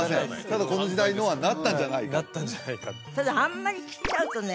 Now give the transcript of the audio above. ただこの時代のはなったんじゃないかなったんじゃないかただあんまり切っちゃうとね